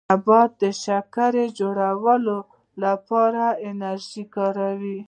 نبات د شکر جوړولو لپاره انرژي کاروي